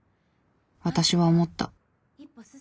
私は思った。